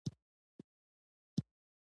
دا شمېر د ستالین له اټکل شوي نفوس څخه کم و.